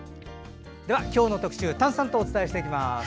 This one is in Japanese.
今日の特集丹さんとお伝えします。